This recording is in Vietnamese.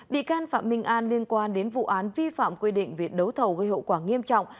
bị can phạm minh an liên quan đến vụ án vi phạm quy định về đấu thầu gây hậu quả nghiêm trọng